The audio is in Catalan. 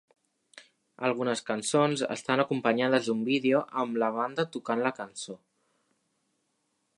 Algunes cançons estan acompanyades d'un vídeo amb la banda tocant la cançó.